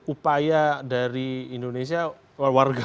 upaya dari indonesia warga